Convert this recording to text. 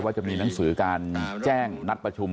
จะมีหนังสือการแจ้งนัดประชุม